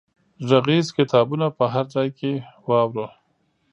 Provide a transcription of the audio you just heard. غږیز کتابونه په هر ځای کې واورو.